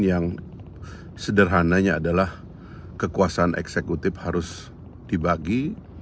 yang sederhananya adalah kekuasaan eksekutif harus dibagi